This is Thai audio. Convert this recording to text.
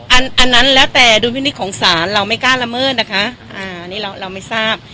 อันอันนั้นแล้วแต่ดุลพินิษฐ์ของศาลเราไม่กล้าละเมิดนะคะอ่าอันนี้เราเราไม่ทราบ